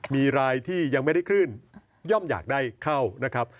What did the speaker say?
มีรายที่ยังไม่ได้คลื่นย่อมอยากได้เข้านะครับ